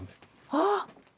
あっ。